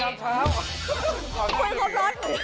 ตอนแรก